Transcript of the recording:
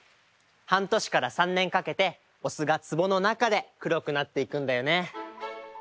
半年から三年かけてお酢が壺のなかで黒くなっていくんだよね。